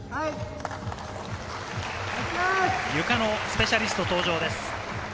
ゆかのスペシャリスト登場です。